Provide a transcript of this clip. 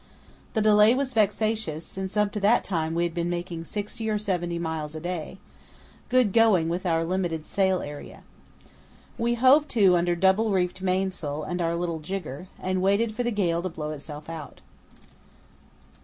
The delay was vexatious, since up to that time we had been making sixty or seventy miles a day, good going with our limited sail area. We hove to under double reefed mainsail and our little jigger, and waited for the gale to blow itself out.